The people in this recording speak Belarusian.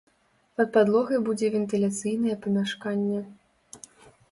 Пад падлогай будзе вентыляцыйнае памяшканне.